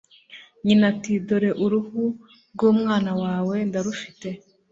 nyina iti 'dore uruhu rw'umwana wawe ndarufite